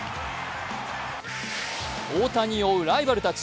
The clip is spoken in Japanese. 大谷を追うライバルたち。